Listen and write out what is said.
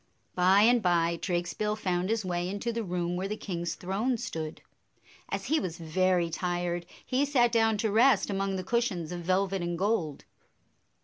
By and by, Drakesbill found his way into the room where the king's throne stood. As he was very tired, he sat dbwn to rest among the cushions of velvet and gold.